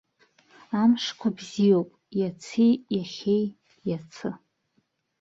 Амшқәа бзиоуп иаци иахьеи иацы.